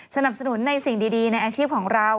สนับสนุนในสิ่งดีในอาชีพของเรา